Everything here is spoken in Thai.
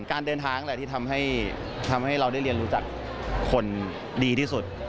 การเดินทางแหละที่ทำให้เราได้เรียนรู้จักคนดีที่สุด